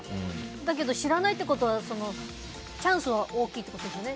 だけど、知らないってことはチャンスは大きいってことですよね。